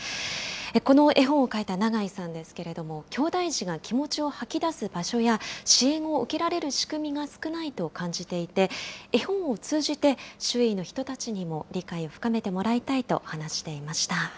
この絵本を描いた永井さんですけれども、きょうだい児が気持ちを吐き出す場所や、支援を受けられる仕組みが少ないと感じていて、絵本を通じて、周囲の人たちにも理解を深めてもらいたいと話していました。